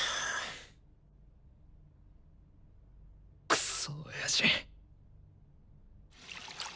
クソ親父。